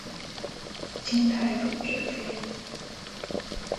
清太祖之妃。